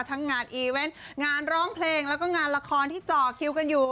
ทั้งงานอีเวนต์งานร้องเพลงแล้วก็งานละครที่จ่อคิวกันอยู่